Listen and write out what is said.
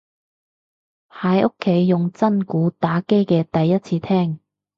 喺屋企用真鼓打機嘅第一次聽